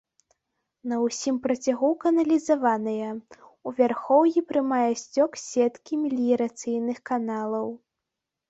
На ўсім працягу каналізаваная, у вярхоўі прымае сцёк з сеткі меліярацыйных каналаў.